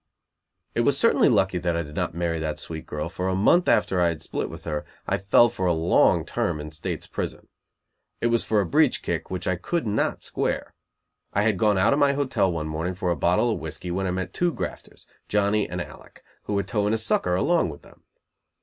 It was certainly lucky that I did not marry that sweet girl, for a month after I had split with her, I fell for a long term in state's prison. It was for a breech kick, which I could not square. I had gone out of my hotel one morning for a bottle of whiskey when I met two grafters, Johnny and Alec, who were towing a "sucker" along with them.